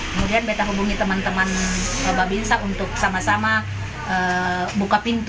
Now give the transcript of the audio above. kemudian kita hubungi teman teman babinsa untuk sama sama buka pintu